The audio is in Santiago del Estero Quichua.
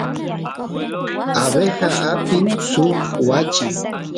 abeja apin suk wachi